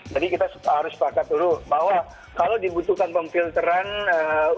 jadi kita harus pakat dulu bahwa kalau dibutuhkan pemfilteran untuk pemfilteran